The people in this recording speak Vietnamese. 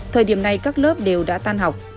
thời điểm này các lớp đều đã tan học